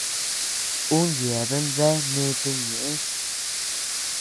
Ú yeabean bea ndete ñeʼë.